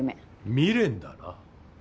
未練だな。